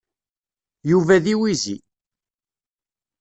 Yuba d iwizi.